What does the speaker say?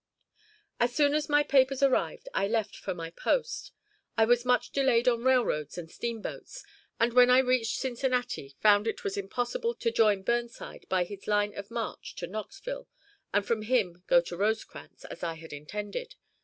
As soon as my papers arrived I left for my post. I was much delayed on railroads and steamboats, and when I reached Cincinnati found it was impossible to join Burnside by his line of march to Knoxville and from him go to Rosecrans, as I had intended.